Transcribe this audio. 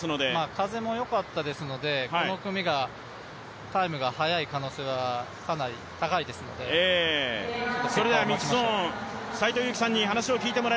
風もよかったですのでこの組がタイムが速い可能性はかなり高いですので結果を待ちましょう。